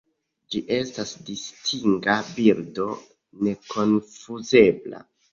Ĝi estas distinga birdo nekonfuzebla.